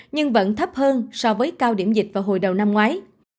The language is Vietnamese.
nhưng vẫn thấp hơn so với cao điểm dịch vào hồi đầu năm ngoái